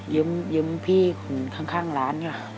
ยืมพี่คนข้างร้านล่ะ